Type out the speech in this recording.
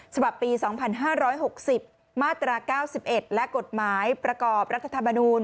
ฉบับปี๒๕๖๐มาตรา๙๑และกฎหมายประกอบรัฐธรรมนูล